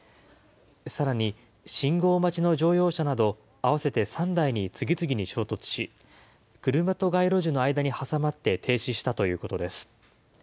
さらに信号待ちの乗用車など、合わせて３台に次々に衝突し、車と街路樹の間に挟まって停止したということです。